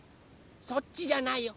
そっちじゃないよ。